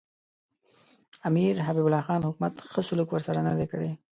امیر حبیب الله خان حکومت ښه سلوک ورسره نه دی کړی.